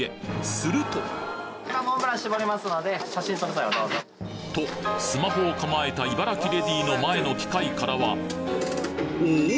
するととスマホをかまえた茨城レディーの前の機械からはお！